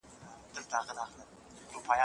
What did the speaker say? عبدالعزیز غوښتل چې له صفوي پاچا سره سوله وکړي.